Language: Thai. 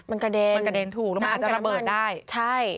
มันกระเด็นน้ำกับน้ำมันใช่